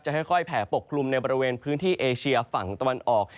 ค่อยแผ่ปกคลุมในบริเวณพื้นที่เอเชียฝั่งตะวันออก